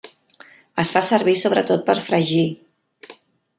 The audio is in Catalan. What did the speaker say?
Es fa servir sobretot per fregir.